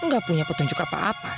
nggak punya petunjuk apa apa